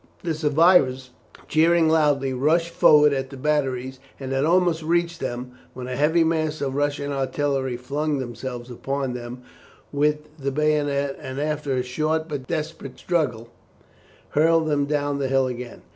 The survivors, cheering loudly, rushed forward at the batteries, and had almost reached them, when a heavy mass of Russian infantry flung themselves upon them with the bayonet, and after a short but desperate struggle hurled them down the hill again.